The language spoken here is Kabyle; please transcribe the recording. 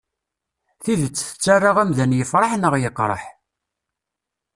Tidet tettarra amdan yefreḥ neɣ yeqreḥ.